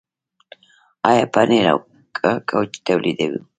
آیا پنیر او کوچ تولیدوو؟